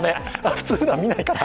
普通では見ないから。